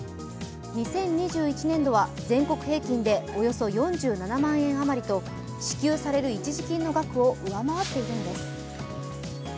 ２０２１年度は全国平均でおよそ４７万円余りと支給される一時金の額を上回っているんです。